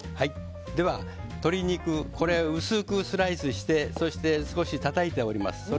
鶏肉、薄くスライスして少したたいております。